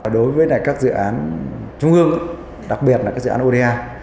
đối với các dự án trung ương đặc biệt là các dự án oda